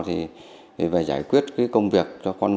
thì phải giải quyết công việc